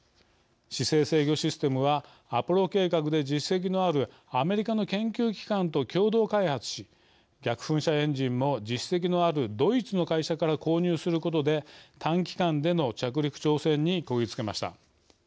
姿勢制御システムはアポロ計画で実績のあるアメリカの研究機関と共同開発し逆噴射エンジンも実績のあるドイツの会社から購入することで短期間での着陸挑戦にこぎつけました。